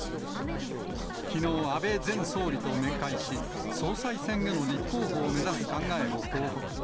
きのう、安倍前総理と面会し、総裁選への立候補を目指す考えを報告。